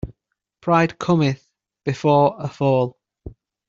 Pride cometh before a fall.